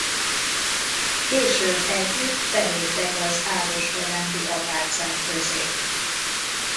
Később együtt beléptek az Ágoston-rendi apácák közé.